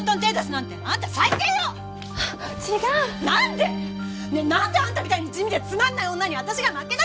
なんであんたみたいに地味でつまんない女に私が負けなきゃいけないのよ！